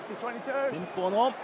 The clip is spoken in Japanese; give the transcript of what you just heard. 前方の。